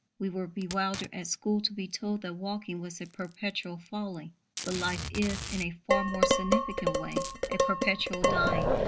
We were bewildered at school to be told that walking was a perpetual falling. But life is, in a far more significant way, a perpetual dying.